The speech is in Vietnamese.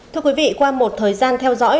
thưa quý vị qua một thời gian theo dõi